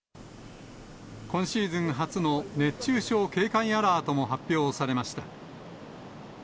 今シーズン初の熱中症警戒アラートも発表されました。